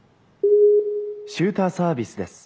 「シューターサービスです。